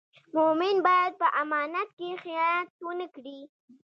مومن باید په امانت کې خیانت و نه کړي.